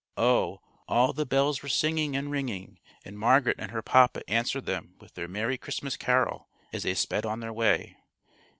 Oh! all the bells were singing and ringing, and Margaret and her papa answered them with their merry Christmas carol, as they sped on their way.